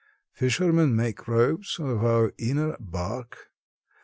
Fishermen make ropes of our inner bark.